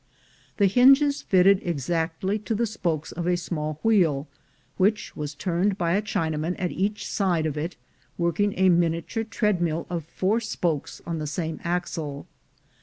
The hinges fitted ex actly to the spokes of a small wheel, which was turned by a Chinaman at each side of it working a miniature treadmill of four spokes on the same axle.